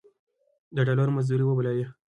د ډالرو مزدورۍ وبللې.